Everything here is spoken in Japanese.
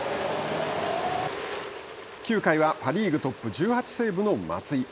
９回はパ・リーグトップ１８セーブの松井。